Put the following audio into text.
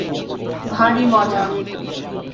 ভারি মজা হবে।